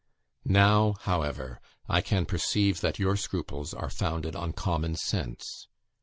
Now, however, I can perceive that your scruples are founded on common sense.